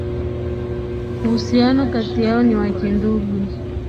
Uhusiano kati yao ni wa kindugu